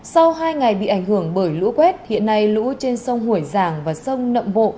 sau hai ngày bị ảnh hưởng bởi lũ quét hiện nay lũ trên sông hủy giảng và sông nậm bộ